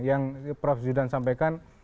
yang prof zudan sampaikan